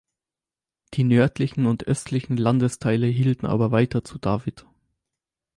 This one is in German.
Die nördlichen und östlichen Landesteile hielten aber weiter zu David.